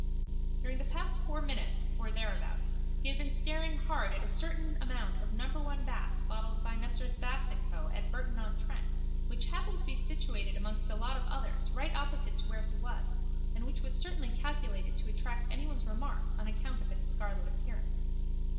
During the past four minutes or thereabouts he had been staring hard at a certain amount of number one Bass bottled by Messrs Bass and Co at Burton on Trent which happened to be situated amongst a lot of others right opposite to where he was and which was certainly calculated to attract anyone's remark on account of its scarlet appearance.